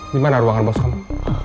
dimana ruangan bos kamu